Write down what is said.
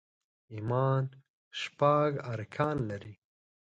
ايمان شپږ ارکان لري